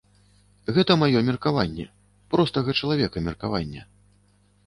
Гэта маё меркаванне, простага чалавека меркаванне.